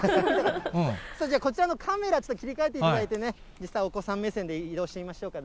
じゃあ、こちらのカメラに切り替えていただいてね、実際お子さん目線で移動してみましょうか。